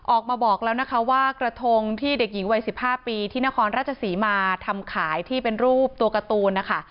ออกมาบอกแล้วนะคะว่ากระทงที่เด็กหญิงวัย๑๕ปีที่นครราชศรีมาทำขายที่เป็นรูปตัวการ์ตูนนะคะ